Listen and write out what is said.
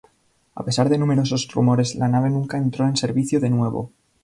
A pesar de numerosos rumores la nave nunca entró en servicio de nuevo.